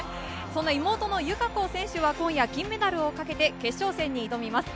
妹の友香子選手は今夜、金メダルをかけて決勝戦に挑みます。